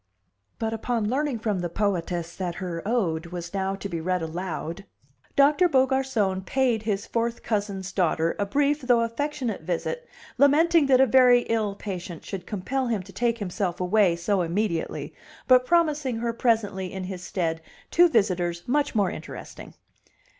But upon learning from the poetess that her ode was now to be read aloud, Doctor Beaugarcon paid his fourth cousin's daughter a brief, though affectionate, visit, lamenting that a very ill patient should compel him to take himself away so immediately, but promising her presently in his stead two visitors much more interesting.